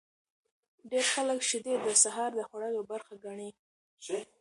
ډیر خلک شیدې د سهار د خوړلو برخه ګڼي.